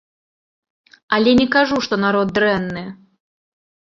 Але не кажу, што народ дрэнны.